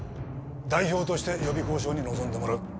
代表として予備交渉に臨んでもらう。